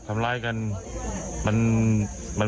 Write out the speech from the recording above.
โทรศัพที่ถ่ายคลิปสุดท้าย